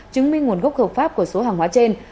chứng minh nguồn gốc hợp pháp của số hàng hóa trên